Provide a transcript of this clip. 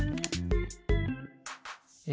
え